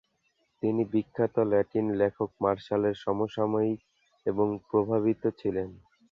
তিনি বিখ্যাত ল্যাটিন লেখক মার্শালের সমসাময়িক এবং প্রভাবিত ছিলেন।